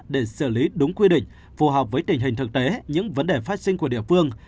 để xử lý đúng quy định phù hợp với tình hình thực tế những vấn đề phát sinh của địa phương